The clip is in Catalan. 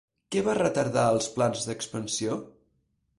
Què va retardar els plans d'expansió?